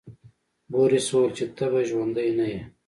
بوریس وویل چې ته به ژوندی نه یې.